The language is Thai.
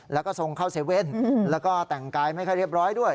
แล้วก็ทรงเข้า๗๑๑แล้วก็แต่งกายไม่ค่อยเรียบร้อยด้วย